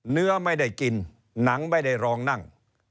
เนื้อไม่ได้กินหนังไม่ได้รองนั่ง